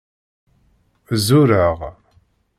Zureɣ.